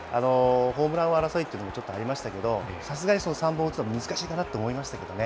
ホームラン王争いというのもありましたけど、さすがに３本打つの難しいと思いますよね。